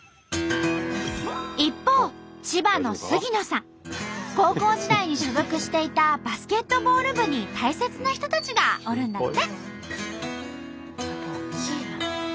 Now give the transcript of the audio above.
一方高校時代に所属していたバスケットボール部に大切な人たちがおるんだって。